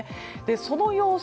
その様子